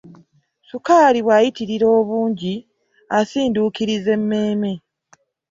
Ssukaali bwayitirira obungi asindukiriza emmeme.